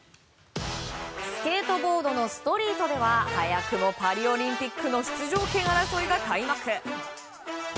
スケートボードのストリートでは早くもパリオリンピックの出場権争いが開幕。